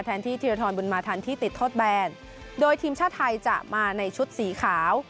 ที่ธีรทรบุญมาทันที่ติดโทษแบนโดยทีมชาติไทยจะมาในชุดสีขาว